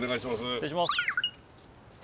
失礼します。